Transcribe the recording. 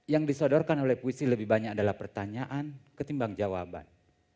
yang disodorkan oleh puisi lebih banyak adalah pertanyaan ketimbang jawaban